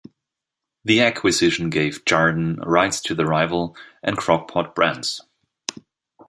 The acquisition gave Jarden rights to the Rival, and Crock-Pot brands.